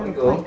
apa sih itu